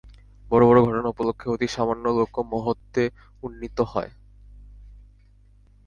বড় বড় ঘটনা উপলক্ষ্যে অতি সামান্য লোকও মহত্ত্বে উন্নীত হয়।